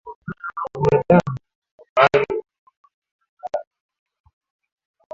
kwa binadamu kwa baadhi ya makadirio hii